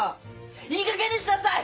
いいかげんにしなさい！